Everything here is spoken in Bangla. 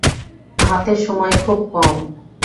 হাতে সময় খুব কম।